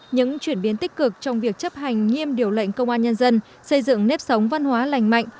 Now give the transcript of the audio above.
những chuyển biến tích cực trong việc chấp hành nghiêm điều lệnh công an nhân dân xây dựng nếp sống văn hóa lành mạnh